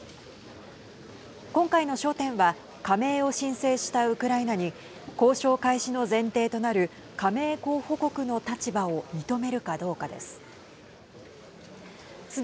今回の焦点は加盟を申請したウクライナに交渉開始の前提となる加盟候補国の立場を認めるかどうかです。